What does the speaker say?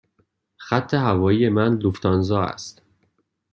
خط هوایی من لوفتانزا است.